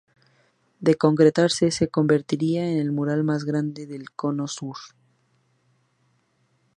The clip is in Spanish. De concretarse, se convertiría en el mural más grande del Cono Sur.